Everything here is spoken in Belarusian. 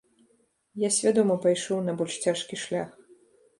Я свядома пайшоў на больш цяжкі шлях.